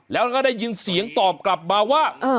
แล้วก็ได้ยินเสียงตอบกลับมาว่า